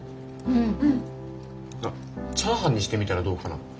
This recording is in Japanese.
うん。あっチャーハンにしてみたらどうかな？